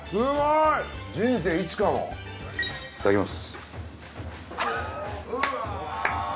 いただきます。